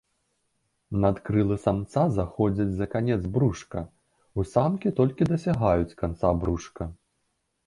Надкрылы самца заходзяць за канец брушка, у самкі толькі дасягаюць канца брушка.